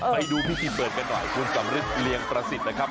ไปดูพิธีเปิดกันหน่อยคุณสำริทเลียงประสิทธิ์นะครับ